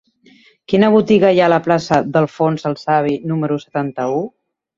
Quina botiga hi ha a la plaça d'Alfons el Savi número setanta-u?